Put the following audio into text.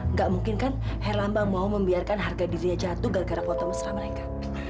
nggak mungkin kan herlambang mau membiarkan harga dirinya jatuh gara gara foto mesra mereka